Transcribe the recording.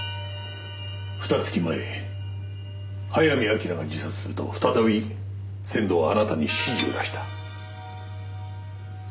ふた月前早見明が自殺すると再び仙堂はあなたに指示を出した。